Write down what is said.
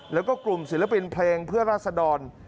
แล้วก็กลุ่มศิลปินเพลงเพื่อราศดร